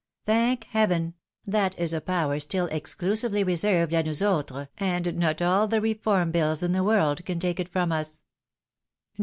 Thank heaven ! that is a power still excluT sively reserved a nous autres, and not all the Reform Bills in the world can take it from us."